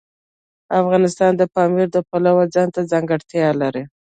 افغانستان د پامیر د پلوه ځانته ځانګړتیا لري.